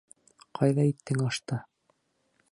Ҡайҙа иттең ашты?